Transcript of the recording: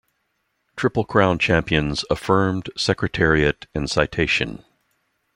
Triple Crown champions, Affirmed, Secretariat, and Citation.